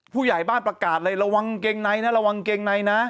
ผู้ใหญ่บ้านประกาศเลยระวังเกงในนะระวังเกงในนะ